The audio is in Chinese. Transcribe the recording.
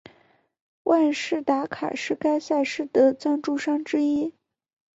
万事达卡是该赛事的赞助商之一。